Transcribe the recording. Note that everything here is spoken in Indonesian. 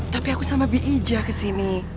tapi aku sama bi ijah kesini